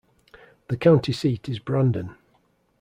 The county seat is Brandon.